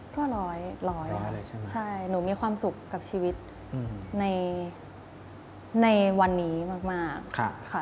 ก็ร้อยอะหนูมีความสุขกับชีวิตในวันนี้มากค่ะ